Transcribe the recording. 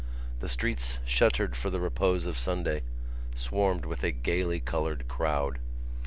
The streets, shuttered for the repose of Sunday, swarmed with a gaily coloured crowd.